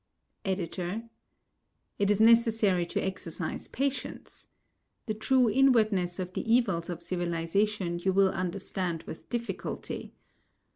EDITOR: It is necessary to exercise patience. The true inwardness of the evils of civilization you will understand with difficulty.